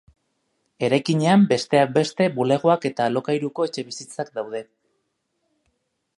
Eraikinean besteak beste bulegoak eta alokairuko etxebizitzak daude.